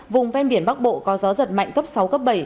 vùng ven biển bắc bộ có gió giật mạnh cấp sáu cấp bảy